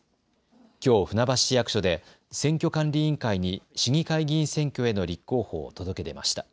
きょう船橋市役所で選挙管理委員会に市議会議員選挙への立候補を届け出ました。